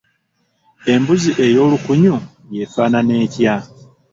Embuzi ey’olukunyu y'efaanana etya?